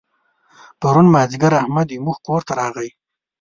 پرون مازدیګر احمد زموږ کور ته راغی.